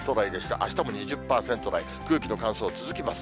あしたも２０％台、空気の乾燥続きます。